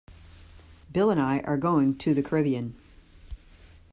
Bill and I are going to the Caribbean.